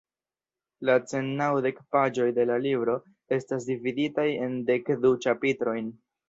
La cent naŭdek paĝoj de la libro estas dividitaj en dek du ĉapitrojn.